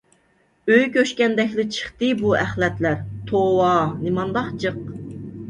ئۆي كۆچكەندەكلا چىقتى بۇ ئەخلەتلەر. توۋا نېمانداق جىق!